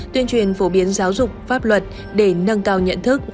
tuyên truyền phổ biến giáo dục pháp luật để nâng cao nhận thức